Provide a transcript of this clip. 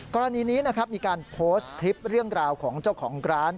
กรณีนี้นะครับมีการโพสต์คลิปเรื่องราวของเจ้าของร้าน